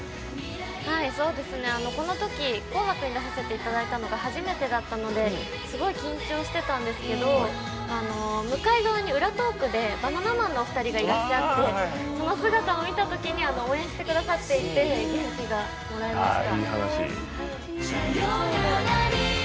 このとき「紅白」に出させていただいたのが初めてだったのですごい緊張してたんですけど向かい側に裏トークでバナナマンのお二人がいらっしゃってその姿を見たときに応援してくださっていて勇気がもらえました。